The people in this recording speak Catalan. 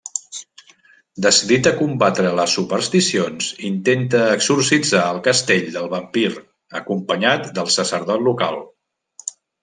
Decidit a combatre les supersticions, intenta exorcitzar el castell del vampir, acompanyat del sacerdot local.